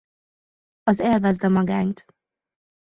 Az Élvezd a magányt!